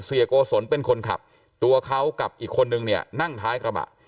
โกศลเป็นคนขับตัวเขากับอีกคนนึงเนี่ยนั่งท้ายกระบะ